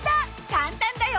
簡単だよ！